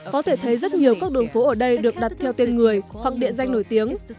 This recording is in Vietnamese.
có thể thấy rất nhiều các đường phố ở đây được đặt theo tên người hoặc địa danh nổi tiếng